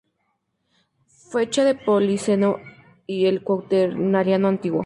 Fecha del Plioceno y el Cuaternario antiguo.